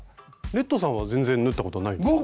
レッドさんは全然縫ったことないんですか？